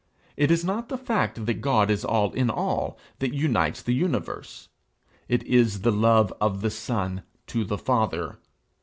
It is not the fact that God is all in all, that unites the universe; it is the love of the Son to the Father.